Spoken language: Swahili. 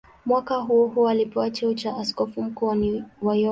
Mwaka huohuo alipewa cheo cha askofu mkuu wa York.